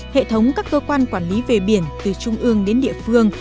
hệ thống các cơ quan quản lý về biển từ trung ương đến địa phương